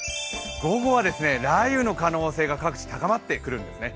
午後は雷雨の可能性が各地高まってくるんですね。